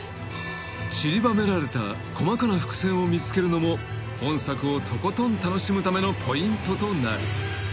［ちりばめられた細かな伏線を見つけるのも本作をとことん楽しむためのポイントとなる］